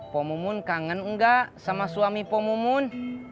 pomomun kangen enggak sama suami pomomun